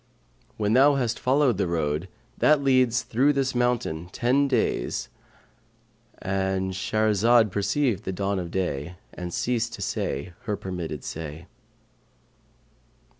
[FN#541] When thou hast followed the road, that leads through this mountain, ten days,' "—And Shahrazad perceived the dawn of day and ceased to say her permitted say.